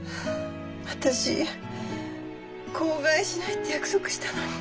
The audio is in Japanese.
私口外しないって約束したのに。